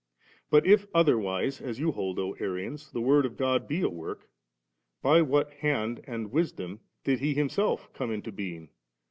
But if other wise, as you hold, O Arians, the Word of God be a work, by what' Hand and Wisdom did He Himself come into being?